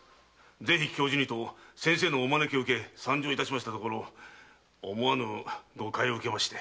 ぜひ教授にと先生のお招きを受け参上したところ思わぬ誤解を受けまして。